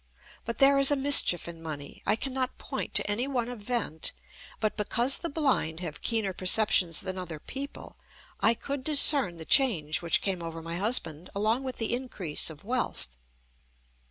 But there is a mischief in money. I cannot point to any one event; but, because the blind have keener perceptions than other people, I could discern the change which came over my husband along with the increase of wealth.